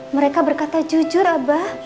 mereka berkata jujur hebat